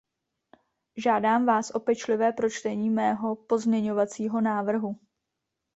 Žádám vás o pečlivé pročtení mého pozměňovacího návrhu.